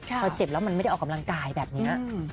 พอเจ็บแล้วมันไม่ได้ออกกำลังกายแบบนี้